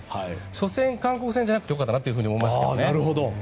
初戦、韓国戦じゃなくてよかったなと思いますね。